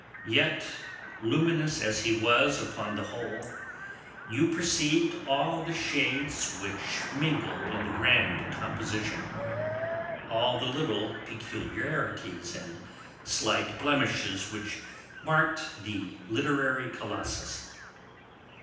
Yet, luminous as he was upon the whole, you perceived all the shades which mingled in the grand composition; all the little peculiarities and slight blemishes which marked the literary Colossus.